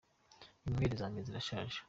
Inyweli zanjye zirashaje.